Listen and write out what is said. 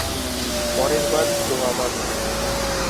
পরেরবার, ও আমার হবে!